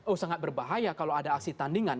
oh sangat berbahaya kalau ada aksi tandingan